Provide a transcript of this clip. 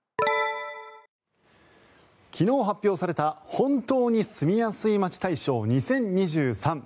昨日発表された本当に住みやすい街大賞２０２３。